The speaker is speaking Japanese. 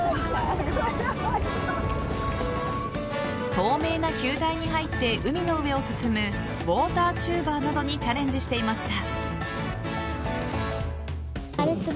透明な球体に入って海の上を進むウォーターチューバーなどにチャレンジしていました。